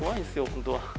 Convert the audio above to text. ホントは。